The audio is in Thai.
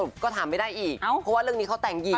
ก็ถามไม่ได้อีกเพราะว่าเรื่องนี้เขาแต่งหญิง